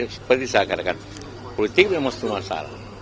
seperti saya katakan politik memang satu masalah